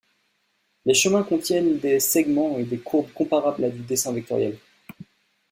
Les chemins contiennent des segments et des courbes comparables à du dessin vectoriel.